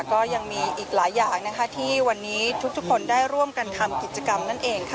ก็ยังมีอีกหลายอย่างที่วันนี้ทุกคนได้ร่วมกันทำกิจกรรมนั่นเองค่ะ